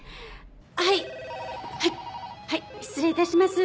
はいはいはい失礼致します。